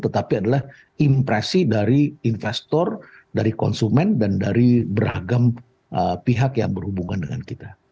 tetapi adalah impresi dari investor dari konsumen dan dari beragam pihak yang berhubungan dengan kita